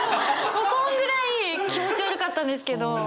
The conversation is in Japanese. そんぐらい気持ち悪かったんですけど。